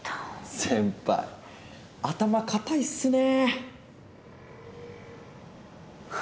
先輩頭固いっすね。